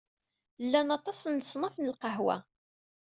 Llan aṭas n leṣnaf n lqahwa.